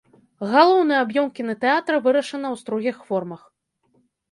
Галоўны аб'ём кінатэатра вырашана ў строгіх формах.